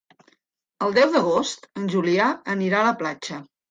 El deu d'agost en Julià anirà a la platja.